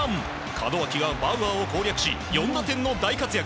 門脇がバウアーを攻略し４打点の大活躍。